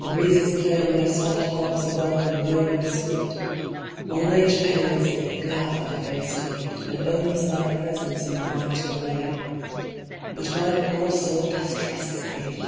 The breezes play On their soft harps a welcome low and sweet ; All nature hails thee, glad thy face to meet, And owns thy presence in a brighter ray. But my poor soul distrusts thee